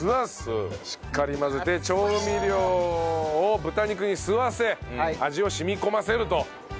しっかり混ぜて調味料を豚肉に吸わせ味を染み込ませると。